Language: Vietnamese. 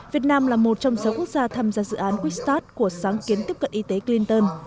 việt nam là một trong số quốc gia tham gia dự án quick start của sáng kiến tiếp cận y tế clinton